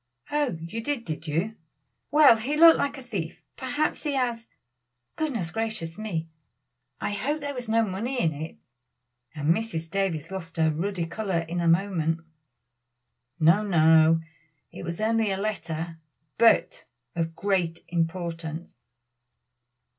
"Oh, you did, did you! well he looked like a thief, perhaps he has goodness gracious me, I hope there was no money in it," and Mrs. Davies lost her ruddy color in a moment. "No! no! it was only a letter, but of great importance."